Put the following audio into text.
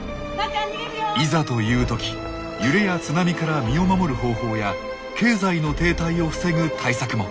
いざという時揺れや津波から身を守る方法や経済の停滞を防ぐ対策も！